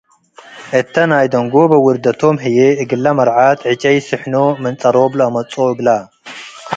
እተ ናይ ደንጎበ ውርደቶም ህዬ፡ እግለ መርዓት ዕጨይ ስሕኖ ምን ጸሮብ ለአመጽኦ እግለ ።